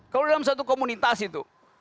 kalau dalam satu komunitas itu